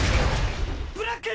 ブラック！！